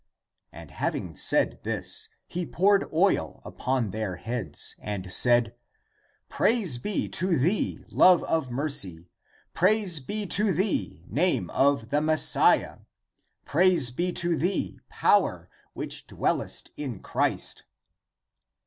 And having said this, he poured oil upon their heads, and said, 'Traise be to thee, love of mercy ! Praise be to thee, name of the Messiah ! Praise be to thee, power, which dwellest in Christ